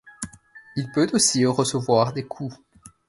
Il peut aussi recevoir des coups.